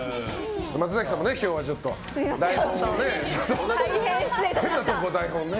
松崎さんも今日はちょっとだいぶね。